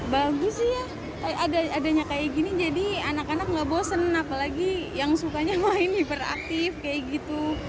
bagus sih ya adanya kayak gini jadi anak anak nggak bosen apalagi yang sukanya main hiperaktif kayak gitu